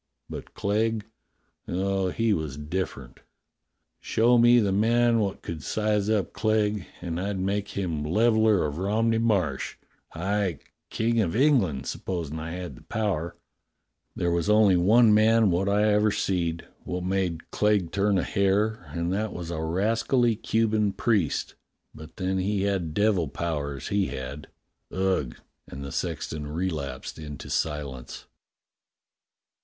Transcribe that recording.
But Clegg — oh, he was different. A YOUNG RECRUIT 163 Show me the man wot could size up Clegg, and I'd make him Leveller of Romney Marsh, aye, King of England, supposin' I had the power. There was only one man wot I ever seed wot made Clegg turn a hair, and that was a rascally Cuban priest, but then he had devil powers, he had. Ugh!" And the sexton relapsed into silence.